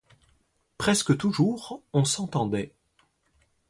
Presque toujours, on s'entendait.